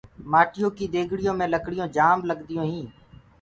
مآٽيو ڪيٚ ديگڙيو مي لڪڙيونٚ جآم لگديونٚ هينٚ۔